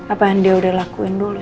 apa yang dia udah lakuin dulu